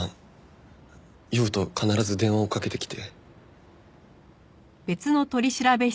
酔うと必ず電話をかけてきて。